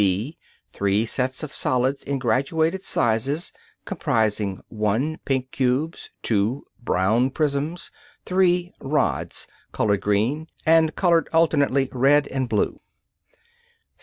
(b) Three sets of solids in graduated sizes, comprising: (1) Pink cubes. (2) Brown prisms. (3) Rods: (a) colored green; (b) colored alternately red and blue.